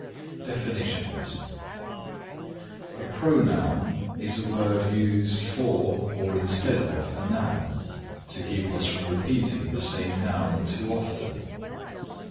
DEFINITIONS A Pronoun is a word used for or instead of a noun to keep us from repeating the same noun too often.